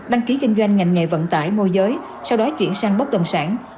đăng ký kinh doanh ngành nghề vận tải môi giới sau đó chuyển sang bất động sản